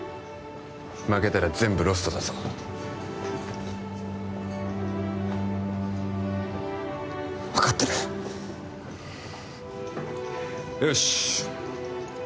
負けたら全部ロストだぞ分かってるよし！